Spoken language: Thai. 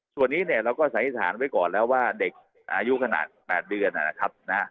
ส่วนนี้เนี่ยเราก็สันนิษฐานไว้ก่อนแล้วว่าเด็กอายุขนาด๘เดือนนะครับ